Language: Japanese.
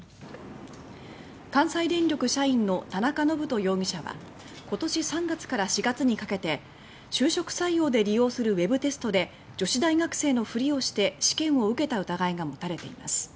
関西電力社員の田中信人容疑者は今年３月から４月にかけて就職採用で利用するＷＥＢテストで女子大学生のふりをして試験を受けた疑いが持たれています。